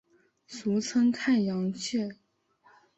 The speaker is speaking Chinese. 俗称太阳穴。